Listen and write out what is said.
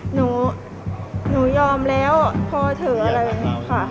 หนูหนูยอมแล้วพอเถอะอะไรอย่างนี้ค่ะ